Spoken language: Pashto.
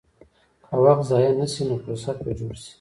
که وخت ضایع نه شي، نو فرصت به جوړ شي.